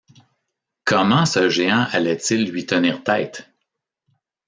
Comment ce géant allait-il lui tenir tête ?